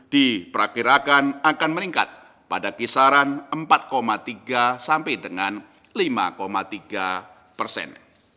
diperkirakan akan meningkat pada kisaran empat tiga sampai dengan lima tiga persen